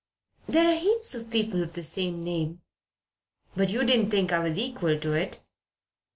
"There are heaps of people of the same name." "But you didn't think I was equal to it?"